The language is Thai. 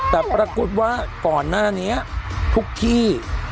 แต่ปรากฏว่าก่อนหน้านี้ทุกที่